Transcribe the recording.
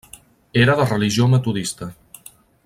Era de religió metodista.